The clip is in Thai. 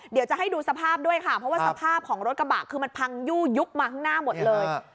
เดี๋ยวจะให้ดูสภาพด้วยค่ะเพราะว่าสภาพของรถกระบะคือมันพังยู่ยุบมาข้างหน้าหมดเลย